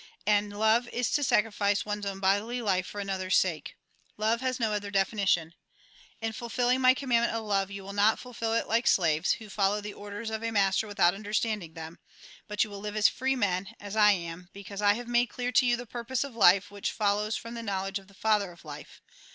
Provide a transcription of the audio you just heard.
And love is to sacrifice one's own bodily life for another's salce. Love has no other definition. In fulfilling my commandment of love, you will not fulfil it like slaves, who follow the orders of a 214 THE GOSPEL IN BRIEF master without understanding them; but you will live as free men, as I am, because I have made clear to you the purpose of life, which follows from the knowledge of the Father of life.